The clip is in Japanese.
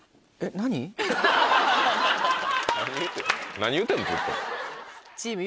何言うてんのずっと。